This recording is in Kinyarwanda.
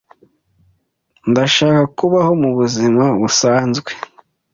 Ndashaka kubaho mubuzima busanzwe.